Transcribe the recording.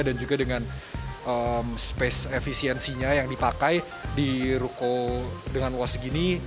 dengan spesifikasinya yang dipakai di ruko dengan uas segini